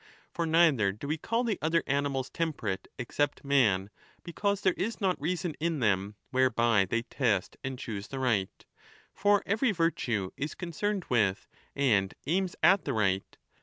For neither do we call the other animals temperate except man, because there is not reason in them whereby they test and choose the right For every virtue is concerned with and aims at the right.